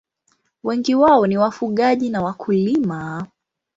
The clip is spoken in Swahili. Wengi wao ni wafugaji na wakulima.